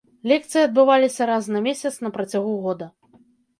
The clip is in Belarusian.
Лекцыі адбываліся раз на месяц на працягу года.